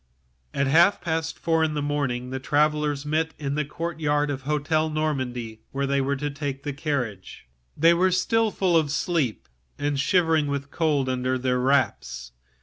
At half past four in the morning the travellers met in the courtyard of the Hotel de Normandie, where they were to take their seats in the coach. They were still half asleep, and shivering with cold under their wraps.